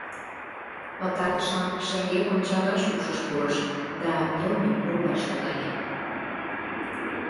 Пытартышлан шеҥгек ончалаш ушыш пурыш — да йылмем пурлаш логале.